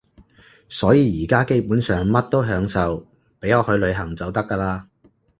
所以而家基本上乜都享受，畀我去旅行就得㗎喇